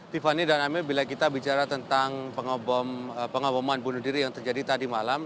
tiffany dan amel bila kita bicara tentang pengaboman bunuh diri yang terjadi tadi malam